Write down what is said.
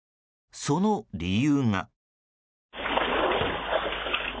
その理由が。